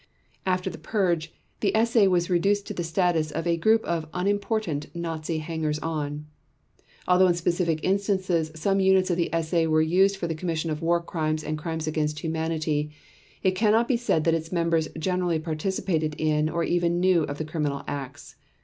After the purge, the SA was reduced to the status of a group of unimportant Nazi hangers on. Although in specific instances some units of the SA were used for the commission of War Crimes and Crimes against Humanity, it cannot be said that its members generally participated in or even knew of the criminal acts.